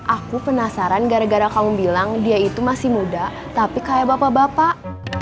aku penasaran gara gara kamu bilang dia itu masih muda tapi kayak bapak bapak